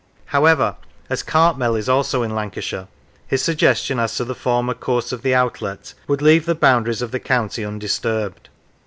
However, as Cartmel is also in Lancashire, his sug gestion as to the former course of the outlet would 141 Lancashire leave the boundaries of the county undisturbed.